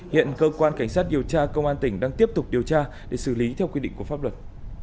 hiện cơ quan cảnh sát điều tra công an tỉnh đang tiếp tục điều tra để xử lý theo quy định của pháp luật